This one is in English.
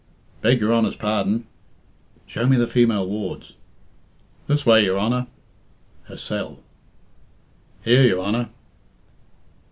Beg your Honour's pardon." "Show me the female wards." "This way your Honour." "Her cell." "Here, your Honour."